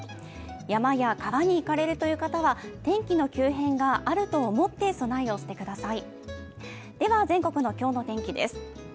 山や川に行かれるという方は天気の急変があると思って備えをしてください。